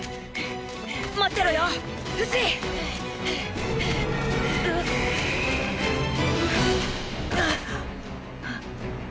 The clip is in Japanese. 待ってろよフシ！えっ⁉あっ。